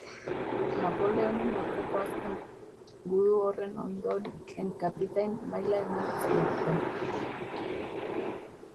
Napoleonen aurkako azken gudu horren ondoren kapitain maila eman zioten.